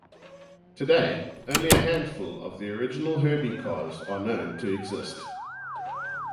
Today, only a handful of the original Herbie cars are known to exist.